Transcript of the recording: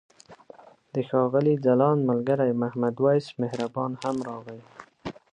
د ښاغلي ځلاند ملګری محمد وېس مهربان هم راغی.